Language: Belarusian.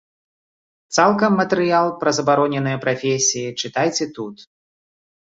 Цалкам матэрыял пра забароненыя прафесіі чытайце тут.